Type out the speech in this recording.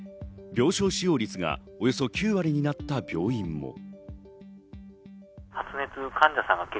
病床使用率がおよそ９割になった病院も。